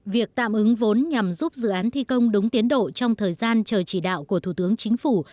việc tạm ứng vốn nhằm giúp dự án thi công đúng tiến độ trong thời gian chờ chỉ đạo của thủ tướng chính phủ